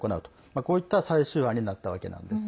こういった最終案になったわけなんです。